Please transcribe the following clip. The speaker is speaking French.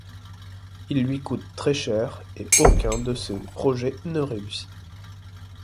Il lui coûte très cher et aucun de ses projets ne réussit.